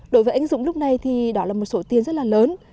đối với anh dũng lúc này thì đó là một sổ tiền rất là lớn